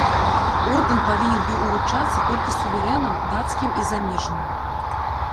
Ордэн павінен быў уручацца толькі суверэнам, дацкім і замежным.